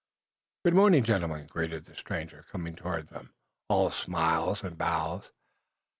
"Ah, good morning, gentlemen," greeted the stranger, coming toward them, all smiles and bows.